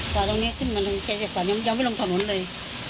กวาดตรงนี้ขึ้นมาแค่จะกวาดยังไม่ลงถนนเลย